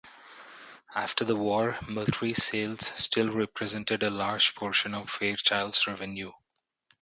After the war, military sales still represented a large portion of Fairchild's revenue.